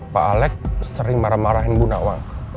pak alex sering marah marahin bu nakwa